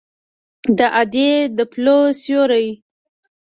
د ادې د پلو سیوری